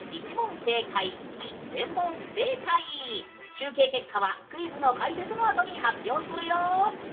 集計結果はクイズの解説のあとに発表するよ。